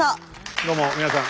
どうも皆さん